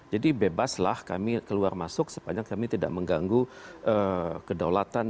jadi bebaslah kami keluar masuk sepanjang kami tidak mengganggu kedaulatan